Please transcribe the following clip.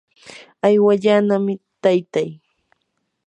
aywallanami taytay.